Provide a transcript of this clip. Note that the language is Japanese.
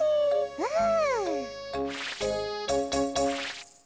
うん。